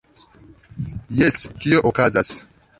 Jes, kio okazas?